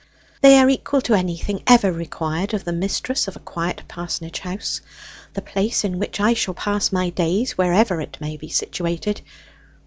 They are equal to anything ever required of the mistress of a quiet parsonage house the place in which I shall pass my days, wherever it may be situated.